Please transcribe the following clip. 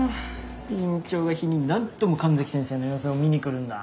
院長が日に何度も神崎先生の様子を見に来るんだ。